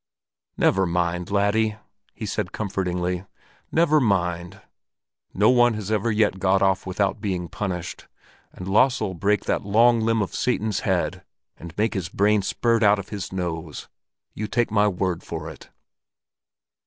"Never mind, laddie!" he said comfortingly. "Never mind! No one has ever yet got off without being punished, and Lasse'll break that long limb of Satan's head and make his brains spurt out of his nose; you take my word for it!"